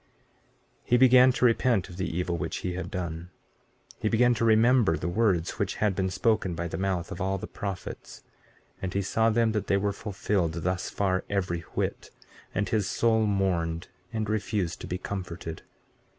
15:3 He began to repent of the evil which he had done; he began to remember the words which had been spoken by the mouth of all the prophets, and he saw them that they were fulfilled thus far, every whit; and his soul mourned and refused to be comforted.